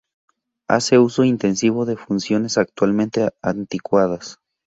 Hace uso intensivo de funciones actualmente anticuadas.